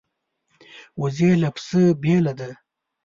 وزې له پسه بېله ده